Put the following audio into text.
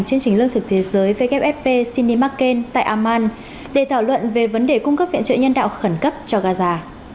chương trình lương thực thế giới wfp cin mccain tại amman để thảo luận về vấn đề cung cấp viện trợ nhân đạo khẩn cấp cho gaza